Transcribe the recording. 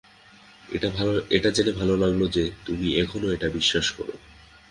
এটা জেনে ভালে লাগলো যে, তুমি এখনও এটা বিশ্বাস করো।